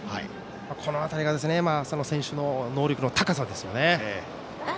この辺りが浅野選手の能力の高さですよね。